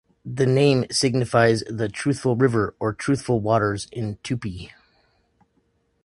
The name signifies "The truthful river", or "truthful waters" in Tupi.